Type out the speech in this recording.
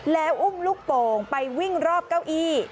แล้วอุ้มลูกโป่งไปวิ่งรอบเก้าอี้